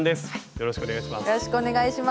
よろしくお願いします。